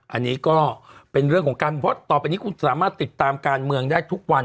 อันนี้ก็เป็นเรื่องของการเพราะต่อไปนี้คุณสามารถติดตามการเมืองได้ทุกวัน